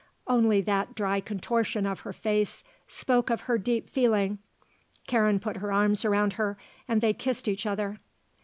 Only that dry contortion of her face spoke of her deep feeling. Karen put her arms around her and they kissed each other.